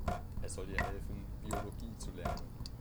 Er soll ihr helfen, Biologie zu lernen.